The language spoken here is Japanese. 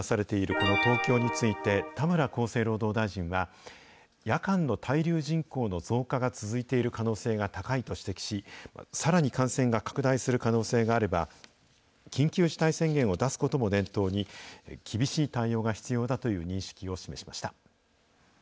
この東京について、田村厚生労働大臣は、夜間の滞留人口の増加が続いている可能性が高いと指摘し、さらに感染が拡大する可能性があれば、緊急事態宣言を出すことも念頭に、厳しい対応が必要だという認識を示しました。